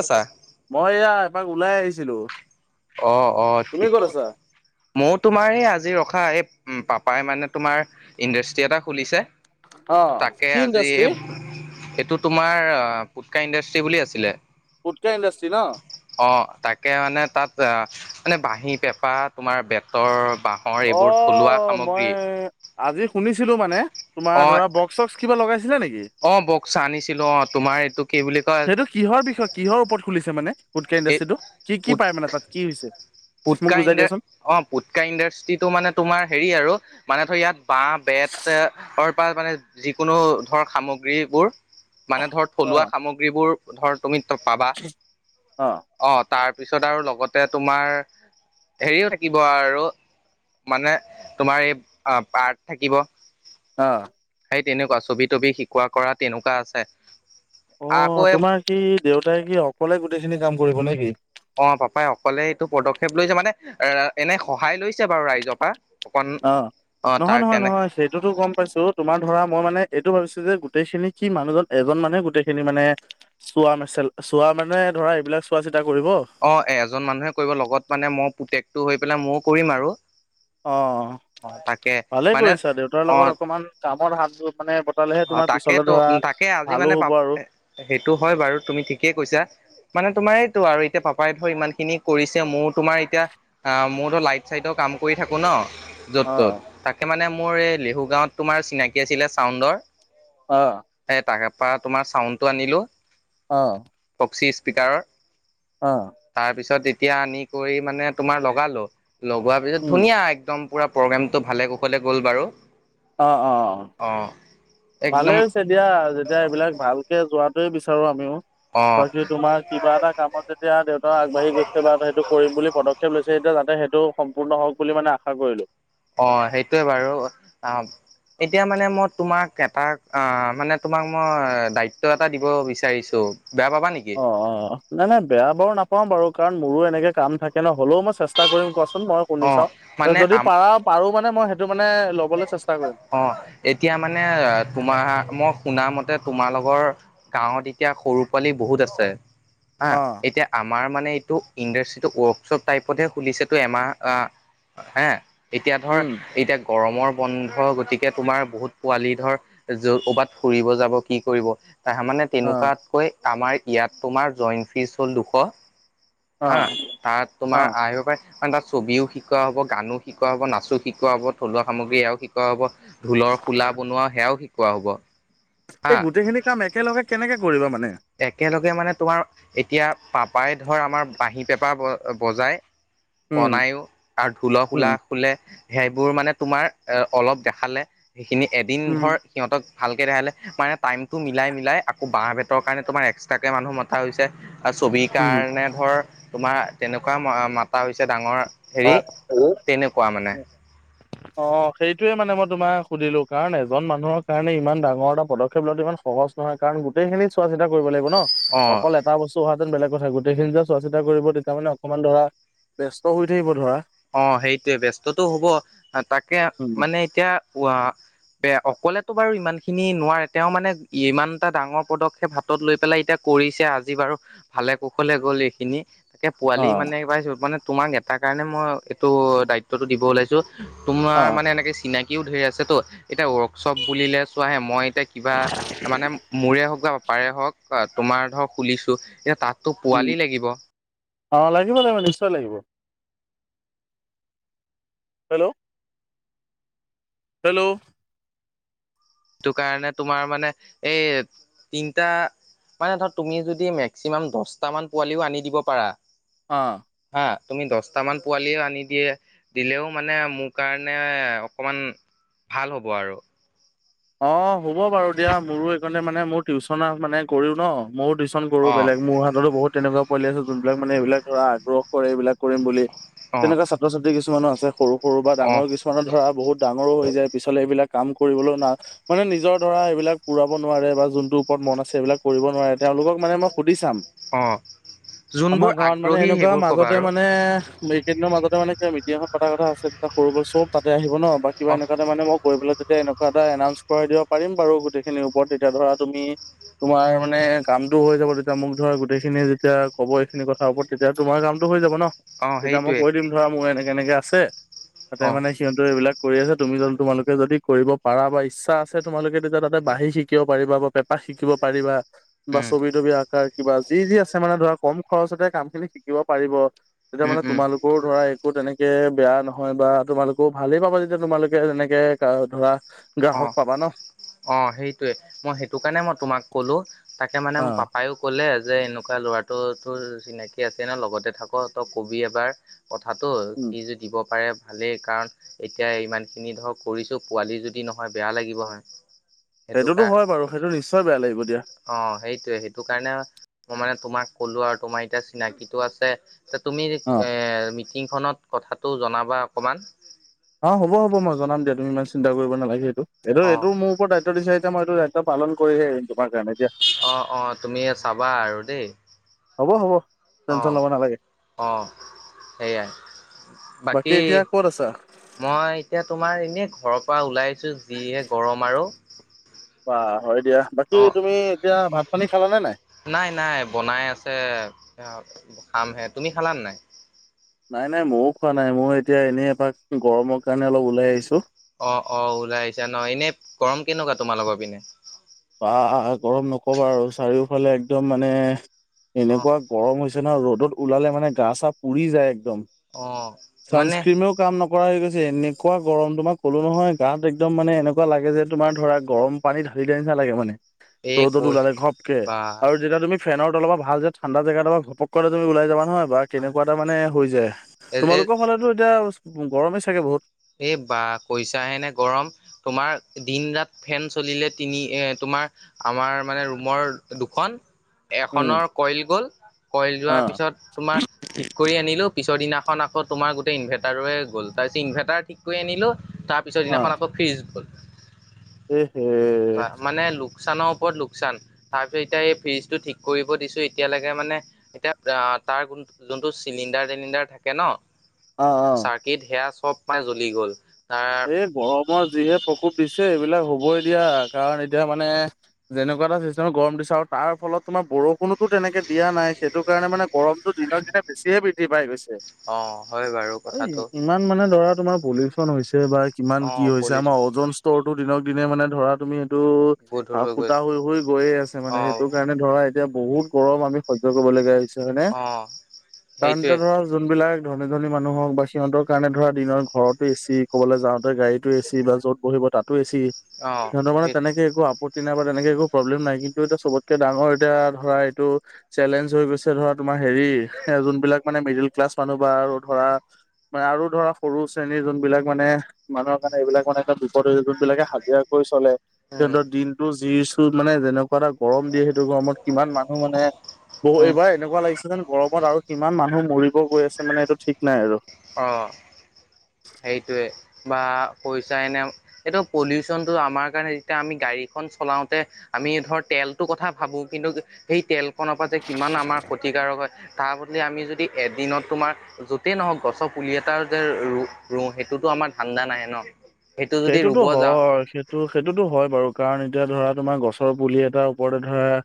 আছা মই এয়া এপাক ওলাই আহিছিলো। অ অ তুমি ঠিক ক'ত আছা? মই তোমাৰ এই আজি ৰখা এই পাপাই মানে তোমাৰ ইণ্ডাষ্ট্ৰি এটা খুলিছে। তাকে কি আজি ইণ্ডাষ্ট্ৰি? এইটো তোমাৰ পুটকা ইণ্ডাষ্ট। তি বুলি আছিলে গুটকা ইণ্ডাষ্ট্ৰি ন? অ তাকে মানে তাত মানে বাঁহী পেঁপা তোমাৰ বেতৰ বাঁহৰ অ এইবোৰ থলুৱা মই সামগ্ৰী আজি শুনিছো। শুনিছিলো মানে তুমাৰ অ ধৰা বক্ চক্ কিবা লগাইছিলে নেকি? অ বচ্ আনিছিলো অ তোমাৰ এইটো কি বুলি কয়। সেইটো কিহৰ বিষয় কিহৰ ওপৰত খুলিছে মানে গোটকা এই ইণ্ডাষ্ট্ৰিটো কি পুট পায় মানে তাত কি হৈছে? মোক পুটকা বুজাই ইণ্ডা দিয়াচোন। অ পুটকা ইণ্ডাষ্ট্ৰিটো মানে তোমাৰ হেৰি আৰু মানে ত ইয়াত বাঁহ বেতৰ পৰা মানে যিকোনো ধৰ সামগ্ৰীবোৰ মানে ধৰ থলুৱা অ' সামগ্ৰীবোৰ ধৰ তুমি পাবা অ' অহ তাৰ পিছত আৰু লগতে তোমাৰ হেৰিও থাকিব আৰু মানে তোমাৰ এই পাৰ্ক থাকিব। অহ', সেই তেনেকুৱা ছবি তবি শিকোৱা কৰা তেনেকুৱা আছে। আকৌ অ', তোমাৰ কি দেউতাই কি অকলে গোটেই খিনি কাম কৰিব নেকি? অ', পাপাই অকলে এইটো পদক্ষেপ লৈছে মানে এ এনে সহায় লৈছে বাৰু ৰাইজৰ পা। অহ, নহয়- নহয় -নহয় সেইটোতো গম পাইছো তোমাৰ ধৰা মই মানে এইটো ভাবিছো যে গোটেই খিনি কি মানুহজন এজন মানুহে গোটেই খিনি মানে চোৱা মেচেল চোৱা মানে ধৰা এইবিলাক চোৱা- চিত অহ, এজন মানুহে কৰিব লগত মানে মই পুতেকটো হৈ পেলাই ময়ো কৰিম আৰু। অহ, অ তাকে ভালেই মানে কৰিছা দেউতাৰ অ লগত অকমান কামৰ হাতবোৰ অ', তাকে তো তাকে আজি ভালো মানে হ'ব পাব আৰু সেইটো হয় বাৰু তুমি ঠিকেই কৈছা। মানে তোমাৰ এইটো আৰু এতিয়া পাপাই ধৰ ইমান খিনি কৰিছে মোৰ তোমাৰ এতিয়া আ মোৰতো লাইট চাইডৰ কাম কৰি থাকোঁ ন'। য'ত -ত'ত অ', তাকে মানে মোৰ এই লেহু গাঁৱত তোমাৰ চিনাকি আছিলে চাউণ্ডৰ অ', এ তাকে পা তোমাৰ চাউণ্ডটো আনিলো। অ', চি স্পিকাৰৰ অ', তাৰপিছত এতিয়া আনি কৰি মানে তোমাৰ লগালো। লগোৱাৰ পিছত উম, ধুনীয়া একদম পুৰা প্ৰগ্ৰেমটো ভালে কুশলে গ'ল বাৰু। অ', অ', অ', অ', ভালে একদম হৈছে দিয়া যেতিয়া এইবিলাক ভালকে যোৱাটোৱেই বিচাৰো আমিও। অ', বাকী তোমাৰ কিবা এটা কামত যেতিয়া দেউতা আগবাঢ়ি গৈছে বা সেইটো কৰিম বুলি পদক্ষেপ লৈছে তেতিয়া যাতে টো সম্পূৰ্ণ হওক বুলি মানে আশা কৰিলো। অ সেইটোয়ে বাৰু অ এতিয়া মানে মই তোমাক এটা আহ মানে তোমাক মই দায়িত্ব এটা দিব বিচাৰিছো। বেয়া পাবা নেকি অ অ নাই নাই বেয়া বাৰু নাপাও বাৰু কাৰণ মোৰো এনেকে কাম থাকে ন। হলেও মই চেষ্টা কৰিম কচোন মই শুনি অ চাওঁ মানে যদি আম পাৰা পাৰো মানে মই সেইটো। মানে ল'বলৈ চেষ্টা কৰিম। অ এতিয়া মানে তোমাৰ মই। শুনা মতে তোমালোকৰ গাঁৱত এতিয়া সৰু পোৱালি বহুত আছে। হা অ', এতিয়া আমাৰ মানে এইটো ইণ্ডাষ্ট্ৰিটো ৱৰ্কশ্বপ টাইপতহে খুলিছে তো এমাৰ হা। এতিয়া ধৰ উম। এতিয়া গৰমৰ বন্ধ গতিকে তোমাৰ বহুত পোৱালি ধৰ য ক'বাত ফুৰিব যাব কি কৰিব তাহ মানে অ', তেনেকুৱাতকৈ আমাৰ ইয়াত তোমাৰ জইণ্ট ফীজ হ'ল দুশ হা অ', তাত তোমাৰ অ', আয় পাই কাৰন তাত ছবিও শিকোৱা হব গানো শিকোৱা হ'ব নাচো শিকোৱা হব থলুৱা সামগ্ৰীও শিকোৱা হব ঢোলৰ খোলা বনোৱা সেয়াও শিকোৱা হ'ব। এই হা গোটেইখিনি কাম একেলগে কেনেকে কৰিবা মানে? একেলগে মানে তোমাৰ এতিয়া পাপাই ধৰ আমাৰ বাঁহী পেপা বজাই উম, বনায়ো আৰু উম, ঢোলসোলা খুলে সেইবোৰ মানে তোমাৰ অলপ দেখালে সেইখিনি এদিন উম, ধৰ সিহঁতক ভালকে দেখালে লে মানে টাইমটো মিলাই- মিলাই আকৌ বাঁহ বেতৰ কাৰণে তোমাৰ এক্সট্ৰাকে মানুহ মতা হৈছে। ছবিৰ উম। কাৰণে ধৰ তোমাৰ তেনেকুৱা মাতা হৈছে ডাঙৰ হেৰি তেনেকুৱা মানে। অহ, সেইটোয়ে মানে মই তোমাক সুধিলো কাৰণ এজন মানুহৰ কাৰণে ইমান ডাঙৰ এটা পদক্ষেপ লোৱাটো ইমান সহজ নহয় কাৰণ গোটেই খিনিত চোৱা চিতা কৰিব লাগিব ন অ অকল এটা বস্তু অহাতেন বেলেগ। কথা গোটেই খিনি যে চোৱা চিতা কৰিব তেতিয়া মানে অকনমান ধৰা ব্স্ত হৈ থাকিব ধৰা। অ সেইটোৱে ব্যস্ততটো হ'ব তাকে উম মানে এতিয়া। বে অকলেতো বাৰু ইমান খিনি নোৱাৰে তেওঁ মানে ইমান এটা ডাঙৰ পদক্ষেপ হাতত লৈ পেলাই এতিয়া। কৰিছে আজি বাৰু ভালে কুশলে গ'ল এইখিনি তাকে অ পোৱালি মানে পাইছো মানে তোমাক নেতাৰ কাৰণে মই এইটো দায়িত্বটো দিব ওলাইছো। তোমাৰ অ মানে এনেকে চিনাকিও ধেৰ আছে তো এতিয়া ৱৰ্কশ্বপ বুলিলে চোৱাহে মই। এতিয়া কিবা মানে মোৰে হওক বা পাপাৰে হওক তোমাৰ ধৰক খুলিছো এতিয়া তাত। উ অ লাগিব লাগিব নিশ্চয় লাগিব। হেল্ল'। হেল্ল'। সেইটো কাৰণে তোমাৰ মানে এই তিনটা। মানে ধৰ তুমি যদি মেক্সিমাম দহটাামান পোৱালিও আনি দিব পাৰা। আহ। হা তুমি দশট মান পোৱালিও আনি দিয়ে দিলেও মানে মোৰ কাৰণে অকমান। ভাল হ'ব আৰু। অঁ হ'ব বাৰু দিয়া মোৰো এইকাৰণে মানে মোৰ টিউশচন মানে কৰিো ন। ময়ো টিউচন কৰো অ', বেলেগ মোৰ হাততো বহুত তেনেৱা। লি আছো যোনবিলাক মানে এইবিলাক ধৰা আগ্ৰহ কৰে এইবিলাক কৰিম বুলি তেনেকুৱা ছাত্ৰ ছাত্ৰটি কিছুমানো আছে। সৰু সৰু বা অ', অ', ডাঙৰ কিছুমানৰ ধৰা বহুত ডাঙৰো হৈ যায় পিছলে এইবিলাক কাম কৰিবলৈও না। মানে নিজৰ ধৰা এইবিলাক পুৰাব নোৱাৰে বা যোনটো ওপৰত মন আছে সেইবিলাক কৰিব নোৱাৰে তেওঁলোকক মানে মই সুধি চাম। অ', আমাৰ যোনবোৰ গাঁৱত মানে আগ্ৰহী এনেকুৱা সেইবোৰ ক'বা মাজতে আৰু মানে। কেইদিনৰ মাজতে মানে কিব মিটিংখনত পা কথা আছে তেতিয়া সৰুবল চবাতে আহিব ন বা কিবা অ', এনেুৱাতে মে মইলৈ। তেতিয়া এনেকুৱা এটা এনাউঞ্চ কৰাই দিব পাৰিম বাৰু গোটেইখিনিৰ ওপৰত তেতিয়া ধৰা তুমি। তোমাৰ মানে কামটো হৈ যাব তেতিয়া মোক ধৰ গোটেইখিনিয়ে যেতিয়া কব এইখিনি কথাৰ ওপৰত তেতিয়া তোমাৰ কামটো হৈ যাব ন। অ', তেতিয়া মই সেইটোৱে কৈ দিম ধৰা মোৰ এনেকে এনেকে আছে তাতে অ', মানে সিহঁতেো এইবিলাক। কৰি আছছে তুমি তোমালোকে যদি কৰিব পাৰা বা। ইচ্ছা আছে তোমালোকে তেতিয়া তাতে ব বাঢ়ি শিকিব পাৰিবা বা পেপা শিকিব পাৰিবা বা উম, ছবি তবি আকাৰ। কিবা যি যি আছে মানে ধৰা কম খৰচতে কাম খিনি শিকিব পাৰিব তেতিয়া উম, মানে উম, তোমালোকৰও ধৰা। তেনেকে বেয়া নহয় বা তোমালোকো ভালেই পাব যেতিয়া তোমালোকে তেনেকে ধৰা অ গ্ৰাহক পাবা ন অ সেইটোৱে মই সেইটো কাৰণে মই তোমাক ক'লো তাকে মানে অ ম পাপায়ও ক'লে যে এনেকুৱা ল'ৰাটোতো চিনাকি আছে ন লগতে থাক ত কবি এবাৰ কথাটো উম সি য দিব পাৰে ভালেই কাৰণ এতিয়া ইমান খিনি ধৰ কৰিছো পোৱালি যদি নহয় বেয়া লাগিব হয় হয়। সেইটো সেইটোতো কাৰ হয় বাৰু সেইটো নিশ্চয় বেয়া লাগিব দিয়া। অ সেইটোৱে সেইটো কাৰণে মই মানে তোমাক কলো আৰু তোমাৰ এতিয়া চিনাকিটো আছে। এ তুমি অ মিটিংখনত কথাটো জনাবা অকণমান অ হব হব মই জনাম দিয়া তুমি ইমান চিন্তা কৰিব নালাগে সেইটো এইটো অ এইটো মোৰ ওৰত দায়িত্ব দিচা যেতিয়া মই এইটো দায়িত্ব পালন কৰিহে এৰিম তোমাৰ কাৰণে এতিয়া অ অ তুমি চাবা আৰু দেই হ'ব হ'ব টেনচন অঁ ল'ব নালাগে অঁ সেয়াই বাকী এতিয়া ক'ত আছা মই এতিয়া তোমাৰ এনেই ঘৰৰ পৰা ওলাই আহিছোঁ যিহে গৰম আৰু ব হয় দিয়া বাকী অ তুমি এতিয়া ভাত পানী খালাানে নাই নাই নাই বনাই আছে খামহে তুমি খালানে নাই নাই নাই ময়ো খোৱা নাই মই এতিয়া এনেই এপাক গৰমৰ কাৰণে অলপ ওলাই আহিছো অ অ ওলাই আহিছা ন এনে গৰম কেনেকুৱা তোমাৰ লগৰ পিনে ব গৰম নকবা আৰু চাৰিওফালে একদম মানে অ এনেকুৱা গৰম হৈছে ন ৰ'দত ওলালে মানে গা চা পুৰি যায় একদম অ মানে চানস্ক্ৰিমেও কাম নকৰা হৈ গৈছে এনেকুৱা গৰম তোমাক ক'লো নহয় গাত একদম মানে এনেকুৱা লাগে যে তোমাৰ ধৰা গৰম পানী ঢালি দিয়া লাগে মানে এই ৰ'দত কৈ ওলালে ঘবকে বা আৰু যেতিয়া তুমি ফেনৰ অলপ ভাল যে ঠাণ্ডা জেগাপা ঘপক কে ওলাই যাবা নহয়। বা তেনেকুৱা এটা মানে হৈ যায় এ তোমালোকৰ ফালে এতিয়া গৰমেই চাগে বহুত এই বা কৈছাহেনে গৰম তোমাৰ দিন ৰাত ফেন চলিলে তিনি এ তোমাৰ আমাৰ আমাৰ মানে ৰুমৰ দুখন উম, এখনৰ কইল গ'ল কইল যোৱাৰ অ', পিছত তোমাৰ ঠিক কৰি আনিলো পিছৰ দিনা এখন আকৌ তোমাৰ গোটেই ইভাৰটাৰৰে গ'ল তাৰপিছত ইনভাৰটাৰ ঠিক কৰি আনিলোঁ। তাৰ পিছৰ দিনাখন আকৌ ফ্ৰিজ গ'ল। উম বা মানে লোক লোকচানৰ ওপৰত লোকচান তাৰপিছত এতিয়া এই ফ্ৰ্ৰীজটো ঠিক কৰিব দিছোঁ এতিয়ালৈকে মানে এতিয়া তাৰ যোনটো চিলিণ্ডাৰ টিলিণ্ডাৰ থাকে ন। অ', অ'। চাৰ্কিত সেয়া চব পাই জ্বলি গ'ল। তাৰ এই গৰমৰ যিহে প্ৰকোপ দিছে এইবিলাক হবই দিয়া কাৰণ এতিয়া মানে যেনেকুৱা গৰম দিছ আৰু তাৰ ফলত তোমাৰ বৰষুণো তেনেকে দিয়া নাই সেইটো কাৰণে মানে গৰমটো দিনে বেছিয়ে বৃদ্ধি পাই গৈছে অ', হয় বাৰু আৰু কথাটো ইমান মানে দৰা তোমাৰ পলিউচন হৈছে বা কিমান কি অ', হৈছে আমাৰ পলিউচন ওজন স্তৰটো দিনক দিনে মানে ধৰা তুমি টো গধুৰ হ গৈ ফুটা হৈ হৈ গৈয়ে আছে মানে অ', সেইটো কাৰণে ধৰা। এতিয়া বহুত গৰম আমি সহ্য় কৰিব লগগীয়া হৈছে হয়নে অ', কাৰণ সেইটোৱে এতিয়া ধৰা যোনবিলাক ধনী ধনী মানুহ হক বা সিহঁতৰ কাৰণে ধৰা দিনৰ ঘৰতো এছি যাওঁতে গাড়ীটো এছি বা য'ত বহিব তাতো এছি অ', সিহঁতৰ মানে সেই তেনেকে একো আপত্তি বা তেনেকে একো প্ৰব্লেম নাই কিন্তু এ চবতকে ডাঙৰ এতিয়া ধৰা এইটো চেলেঞ্জ হৈ গৈছে ধৰা তোমাৰ হেৰি যোনবিলাক মানে মিডোল ক্লাছ মানুহ বা আৰু ধৰা মানে আৰু ধৰা সৰু শ্ৰেণীৰ যোনবিলাক মানে মানুহৰ কাৰণে এইবিলাক মানে এটা বিপদ যোন বিলাকে হাজিৰা কৰি চলে। উম, সিহঁতৰ দিনটো যি চু মানে যেনেকুৱা এটা গৰম দিয়ে সেইটো গৰমত কিমান মানুহ মানে বহু উম, এইবাৰ এনেকুৱা লাগিছে যেন গৰমত আৰু কিমান মানুহ মৰিব গৈ আছে মানে এইটো ঠিক নাই আৰু অঁ! সেইটোৱে। বা পইচা এনে, এইটো পলিউচনটো আমাৰ কাৰণে যেতিয়া, আমি গাড়ীখন চলাওঁতে আমি ধৰ তেলটোৰ কথা ভাবো কিন্তু সেই তেল ফনৰ পৰা যে কিমান আমাৰ ক্ষতিকাৰক হয়, তাৰ বদলি আমি যদি এদিনত তোমাৰ য'তেই নহওক গছ টো পুলি এটা যে ৰু -ৰুও সেইটোতো আমাৰ ধান্দা নাই ন। সেইটো যদি সেইটোতো ৰুব যাওঁ হয় সেইটো সেইটোতো হয় বাৰু, কাৰণ এতিয়া ধৰা তোমাৰ গছৰ পুলি এটাৰ ওপৰতে ধৰা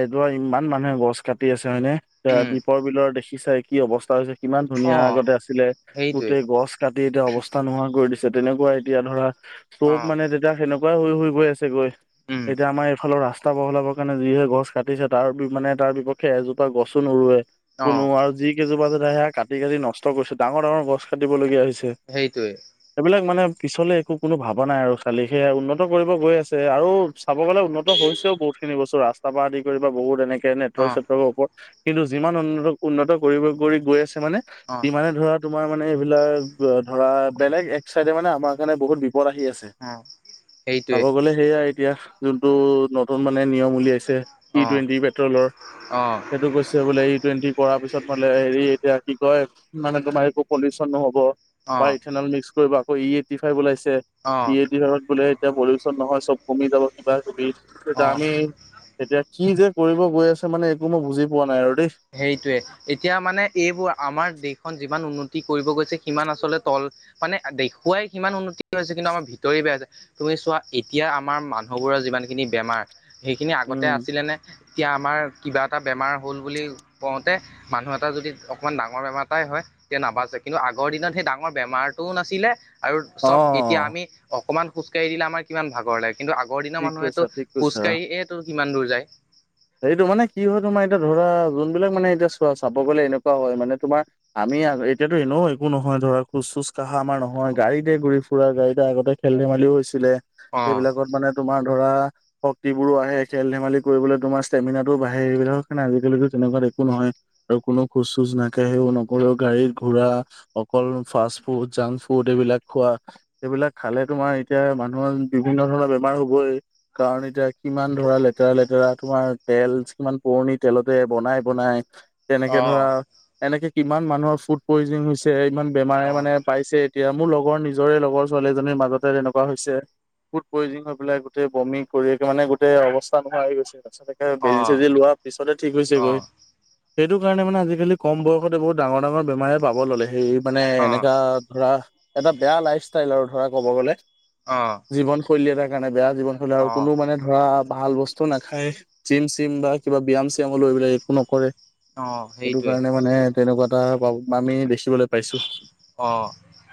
এদোৰা ইমান মানুহে গছ কাটি আছে! হয় নে, এ উম, দ্বীপৰ বিলৰ দেখিছাই কি অৱস্থা হৈছে। কিমান ধুনীয়া অ', আগতে আছিলে, সেইটোৱে গোতেই গছ কাটি এতিয়া অৱস্থা নোহোৱা কৰি দিছে তেনেকুৱাই! এতিয়া ধৰা চব অ'। মানে তেতিয়া সেনেকুৱাই হৈ হৈ গৈ আছে গৈ, উম এতিয়া আমাৰ এইফালৰ ৰাস্তা। ৰাস্তা বহলাবৰ কাৰণে যিহে গছ কাটিছে তাৰ মানে তাৰ বিপক্ষে এজোপা গছো নৰুৱে! অ কোনো আৰু যি কেইজোপা যে দায়া কাটি কাটি নষ্ট কৰিছে ডাঙৰ ডাঙৰ গছ কাটিবলগীয়া হৈছে। সেইটোৱে তে এইবিলাক মানে! পিছলে একো কোনো ভাবা নাই আৰু খালি সেয়াই উন্নত কৰিব গৈ আছে আৰু চাব গ'লে উন্নত হৈছেও বহুত। খিনি বস্তু ৰাস্তা পা আদি কৰি বা বহুত এনেকে! তে অ নেটৱৰ্ক চেটৱৰ্কৰ ওপৰত কিন্তু যিমান উন্নত উন্নত কৰিব কৰি গৈ আছে! মানে অ ইমানে ধৰা তোমাৰ মানে এইবিলাক ধৰা বেলেগ এক চাইডে মানে আমাৰ কাৰণে বহুত বি! পদ আহি আছে অ চাব সেইটোৱে গলে সেইাই এতিয়া যোনটো নত! নন মানে নিয়ম উলিয়াইছে ই অ টুৱেণ্টি পেট্ৰলৰ! অ সেইটো কৈছে বোলে ই টুৱেণ্টি কৰাৰ পিছত বোলে হেৰি এতিয়া! কি কয় মানে তোমাৰ একো পলিউচন নহব অ বা ইথেনল মিক্স কৰিব আকৌ ই এইটি ফাইভ ওলাইছে। অ তে, ই এইটি ফাইভত বোলে এতিয়া পলিউচন নহয় চব কমি যাব কিবা বিত, অ আমি এতিয়া কি যে কৰিব গৈ আছে মানে একো মই বুজি পোৱা নাই আৰু দেই। সেইটোয়ে, এতিয়া মানে এইবোৰ আমাৰ দেশখন যিমান উন্নত কি কৰিব গৈছে সিমান আচলতে তল মানে দেখুৱাই সিমান উন্নতি হৈছে, কিন্তু আমাৰ ভিতৰি বেয়া হৈছে চোৱা এতিয়া আমাৰ মানুহবোৰৰ যিমান খিনি বেমাৰ সেইখিনি আগতে উম, আছিলেনে? এতিয়া আমাৰ কিবা এটা বেমাৰ হ'ল বুলি কওঁতে মানুহ এটা যদি অকমান ডাঙৰ বেমাৰ এটাই হয় তেতিয়া নাবাজে, কিন্তু আগৰ দিনত সেই ডাঙৰ বেমাৰ আৰটো নাছিলে আৰু চব এতিয়া অ'। আমি অকমান খোজকাঢ়ি দিলে আমাৰ কিমান ভাগৰ লা কিন্তু আগৰ দিনৰ ঠিক মানুহেটো কৈছা, ঠিক খোজ কৈছা। কাঢ়িয়েটো কিমান দূৰ যায়। সেইটো মানে কি হয়, তোমাৰ এতিয়া ধৰা যোনবিলাক মানে এতিয়া চোৱা চাব গলে এনেকুৱা হয় মানে তোমাৰ আমি মি এতিয়াতো এনেও একো নহয় ধৰা, খোজ চুজ কঢ়া আমাৰ নহয় গাড়ীতে ঘুৰি -ফুৰা গাড়ীতে আগতে খেল-ধেমা লীও হৈছিলে, অ সেইবিলাকত মানে তোমাৰ ধৰা, শক্তিবোৰো আহে খেল ধেমালি কৰিবলৈ তোমাৰ ষ্টেমিনাটো বাঢ়ে, এইবিলাকৰ কাৰণে আজিকালিতো তেনেকুৱাত একো নহয় আৰু কোনো খোজ চোজ নাকে সেও নকৰেও গা গাড়ীত ঘুৰা, অকল ফাষ্ট ফুড, জাংক ফুড এইবিলাক খোৱা, এইবিলাক খালে তোমাৰ এতিয়া মানুহৰ বিভিন্ন ধৰণৰ বেমাৰ হবই, কাৰণ এতিয়া কিমান ধৰা লেতেৰা -লেতেৰা তোমাৰ তেল কিমান পুৰণি তেলতে বনাই বনাই অ তেনেকে ধৰা, এনেকে কিমান মানুহৰ ফুড পয়জনিং হৈছে ইমান বেমাৰে অ', মানে পাইছে এতিয়া মোৰ লগৰ নিজৰে লগৰ ছোৱালীজনীৰ মাজতে তেনেকুৱা হৈছে। ফুড পয়জনিং হৈ পেলাই গোটেই বমি কৰি মানে গোটেই অৱস্থা নোহোৱা হৈ গৈছে। তাৰপিছতে এ বেজি- অ'। চেজি লোৱাৰ পিছতে ঠিক হৈছেগৈ। অ', সেইটো কাৰণে মানে আজিকালি কম বয়সতে বহুত ডাঙৰ -ডাঙৰ বেমাৰে পাব ল'লে সেইয়ে মানে অ', এনেকা ধৰা এটা বেয়া লাইফষ্টাইল আৰু ধৰা ক'ব গলে। অ', জীৱনশৈলী এটাৰ কাৰণে বেয়া, জীৱনশৈলী আৰু অ', কোনো মানে ধৰা ভাল বস্তু নাখায়। জিম -চিম বা কিবা ব্যায়াম- চ্যায়ামলো এইবিলাক একো নকৰে। অ', সেইটো সেইটোৱে কাৰণে মানে তেনেকুৱা এটা আমি দেখিবলৈ পাইছো। অ,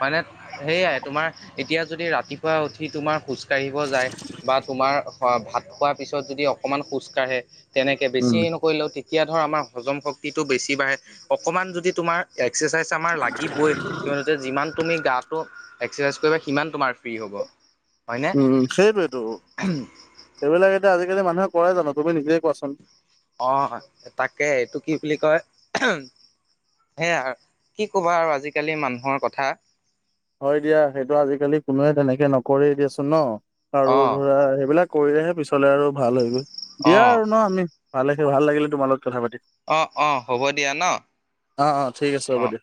মানে সেইয়াই তোমাৰ এতিয়া যদি ৰাতিপুৱা উঠি তোমাৰ খোজ কাাঢ়িব যায় বা তোমাৰ ভাত খোৱাৰ পিছত যদি অকণমান খোজকাঢ়ে তেনেকে বেছি উম। নকৰিলেও তেতিয়া ধৰ আমাৰ হজম শক্তিটো বেছি বাঢ়ে অকণমান যদি তোমাৰ এ এক্সেচাইজ আমাৰ লাগিবই, কিয়নো যে যিমান তুমি গাটো এক্সাৰচাইজ কৰিবা সিমান তোমাৰ ফ্ৰী হ'ব। হয়নে? উম সেইটোৱেটো, সেইবিলাকে আজিকালি মানুহে কৰাই জানো তুমি নিজে কোৱাচোন? অ তাকে এইটো কি বুলি কয়? সেয়া কি ক'বা আৰু আজিকালি মানুহৰ কথা। হয় দিয়া সেইটো আজিকালি কোনোৱে তেনেকে নকৰে দিয়াচোন ন আৰু অ', ধৰা সেইবিলাক কৰি আহে পিছলে আৰু ভাল হৈ গৈ। দিয়া অ'। আৰু ন আমি ভালে ভাল লাগিলে তোমালত কথা পাতি, অ', অ', হ'ব দিয়া ন অঁ অঁ ঠিক আছে হ'ব অ'। দিয়ক।